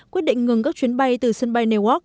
quyết định ngừng các chuyến bay từ sân bay newark